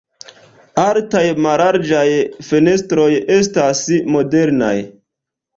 Altaj mallarĝaj fenestroj estas modernaj.